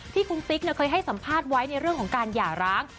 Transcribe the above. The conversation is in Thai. ที่คุณติ๊กเคยให้สัมภาษณ์ไว้ในเรื่องของการหย่าร้าง